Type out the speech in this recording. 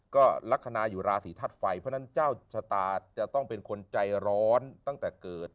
ก็ลักษณะอยู่ราศีธาตุไฟเพราะฉะนั้นเจ้าชะตาจะต้องเป็นคนใจร้อนตั้งแต่เกิด